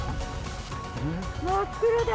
真っ黒だ。